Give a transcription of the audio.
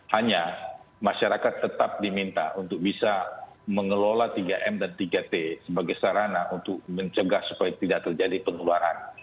hanya masyarakat tetap diminta untuk bisa mengelola tiga m dan tiga t sebagai sarana untuk mencegah supaya tidak terjadi penularan